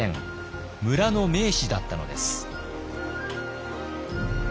村の名士だったのです。